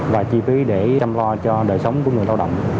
và chi phí để chăm lo cho đời sống của người lao động